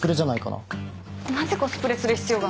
なぜコスプレする必要が？